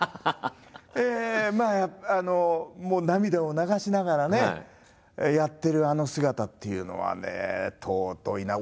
もう涙を流しながらねやってるあの姿っていうのはね尊いなあ。